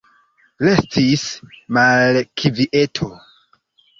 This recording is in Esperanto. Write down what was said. Restis malkvieto.